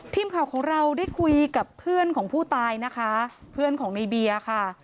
ทีมข่าวของเราได้คุยกับเพื่อนของผู้ตายนะคะเพื่อนของในเบียร์ค่ะ